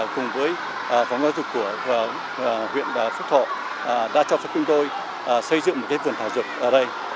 cùng với phóng do dục của huyện phúc thọ đã cho chúng tôi xây dựng một cái vườn thảo dục ở đây